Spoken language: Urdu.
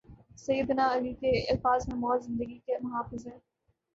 سید نا علیؓ کے الفاظ میں موت زندگی کی محافظ ہے۔